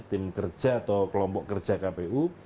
tim kerja atau kelompok kerja kpu